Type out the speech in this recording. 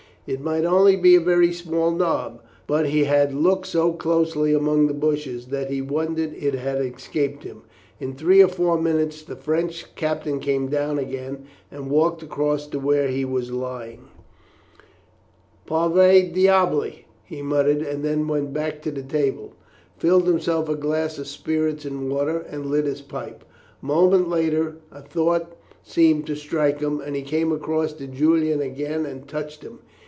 It might only be a very small knob, but he had looked so closely among the bushes that he wondered it had escaped him. In three or four minutes the French captain came down again, and walked across to where he was lying: "Pauvre diable!" he muttered, and then went back to the table, filled himself a glass of spirits and water, and lit his pipe. A moment later a thought seemed to strike him, and he came across to Julian again and touched him.